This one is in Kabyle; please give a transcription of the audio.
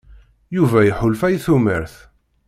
Yuba iḥulfa i tumert.